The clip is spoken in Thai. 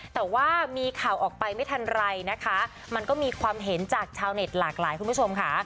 แต่ว่ามีข่าวออกไปไม่ทันไรนะคะมันก็มีความเห็นจากชาวเน็ตหลากหลายคุณผู้ชมค่ะ